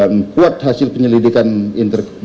menguat hasil penyelidikan